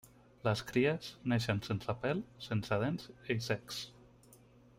Les cries neixen sense pèl, sense dents i cecs.